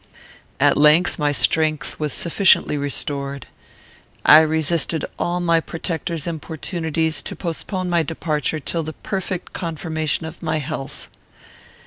"At length, my strength was sufficiently restored. I resisted all my protector's importunities to postpone my departure till the perfect confirmation of my health.